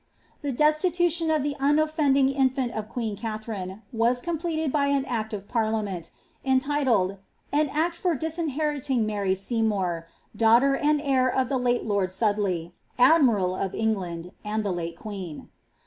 The destitution of the unoffending infant of queen Katharine was npleted by an act of parliament, entitled, ^An act for disinheriting ly Seymour, daughter and heir of the late lord Sudley, admiral of ^land, and the late queen."